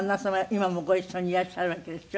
今もご一緒にいらっしゃるわけでしょ？